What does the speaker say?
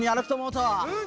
うん！